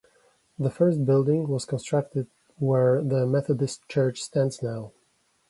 The first building was constructed where the Methodist church stands now.